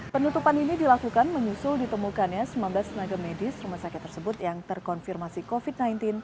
penutupan ini dilakukan menyusul ditemukannya sembilan belas tenaga medis rumah sakit tersebut yang terkonfirmasi covid sembilan belas